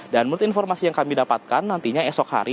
dan menurut informasi yang kami dapatkan nantinya esok hari